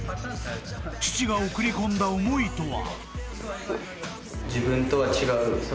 ［父が送り込んだ思いとは？］